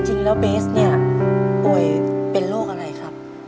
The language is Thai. จริงแล้วเบสเนี่ยป่วยเป็นโรคอะไรครับ